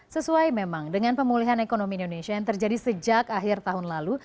sesuai memang dengan pemulihan ekonomi indonesia yang terjadi sejak akhir tahun lalu